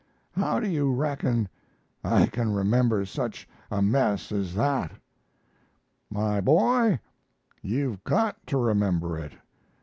How do you reckon I can remember such a mess as that?" "My boy, you've got to remember it.